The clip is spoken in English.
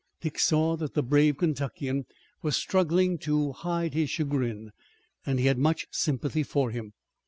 Dick saw that the brave Kentuckian was struggling to hide his chagrin, and he had much sympathy for him.